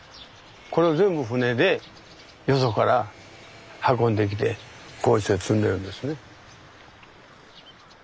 これを全部船でよそから運んできてこうして積んでるんですね。